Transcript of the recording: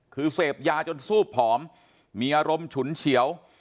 คือเสพยาจนซูบผอมมีอารมณ์ฉุนเฉียว